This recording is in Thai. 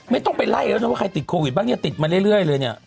ไม่ต้องไปไล่แล้วนะว่าใครติดโควิดบ้างเนี่ยติดมาเรื่อยเลยเนี่ย